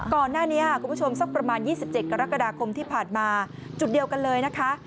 คุณผู้ชมสักประมาณ๒๗กรกฎาคมที่ผ่านมาจุดเดียวกันเลยนะคะ